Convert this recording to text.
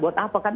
buat apa kan